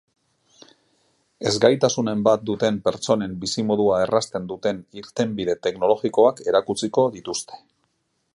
Ezgaitasunen bat duten pertsonen bizimodua errazten duten irtenbide teknologikoak erakutsiko dituzte.